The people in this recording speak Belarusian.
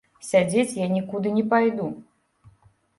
Сядзець я нікуды не пайду.